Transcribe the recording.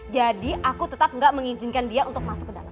jadi aku tetap gak mengizinkan dia untuk masuk ke dalam